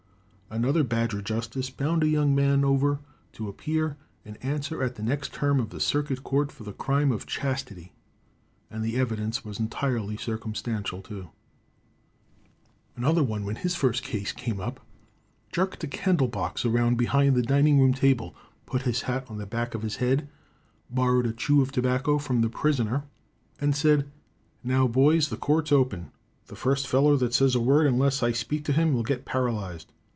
Another Badger justice bound a young man over to appear and answer at the next term of the Circuit Court for the crime of chastity, and the evidence was entirely circumstantial, too. Another one, when his first case came up, jerked a candle box around behind the dining room table, put his hat on the back of his head, borrowed a chew of tobacco from the prisoner and said: "Now, boys, the court's open. The first feller that says a word unless I speak to him will get paralyzed.